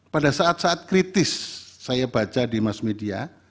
pada saat saat kritis saya baca di mass media